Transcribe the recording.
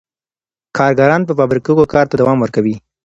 کارګران په فابریکو کي کار ته دوام ورکوي.